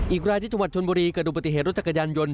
อีกรายที่จังหวัดชนบุรีเกิดดูปฏิเหตุรถจักรยานยนต์